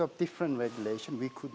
karena peraturan yang berbeda